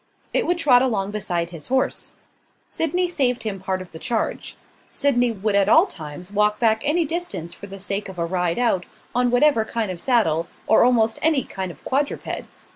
It would trot along beside his horse. Sydney saved him part of the charge. Sydney would at all times walk back any distance for the sake of a ride out, on whatever kind of saddle, or almost any kind of quadruped.